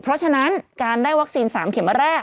เพราะฉะนั้นการได้วัคซีน๓เข็มแรก